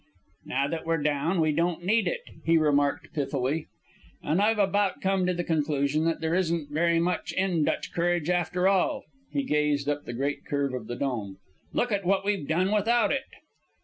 "Now that we're down, we don't need it," he remarked, pithily. "And I've about come to the conclusion that there isn't very much in Dutch courage, after all." He gazed up the great curve of the Dome. "Look at what we've done without it!"